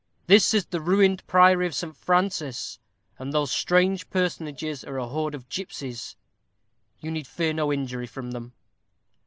"This is the ruined priory of St. Francis; and those strange personages are a horde of gipsies. You need fear no injury from them."